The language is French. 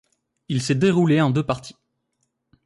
Il s'est déroulé en deux parties.